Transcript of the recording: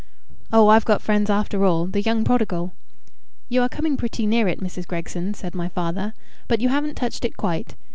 "Oh, I've got friends after all. The young prodigal!" "You are coming pretty near it, Mrs. Gregson," said my father; "but you haven't touched it quite.